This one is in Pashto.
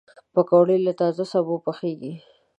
پکورې له تازه سبو پخېږي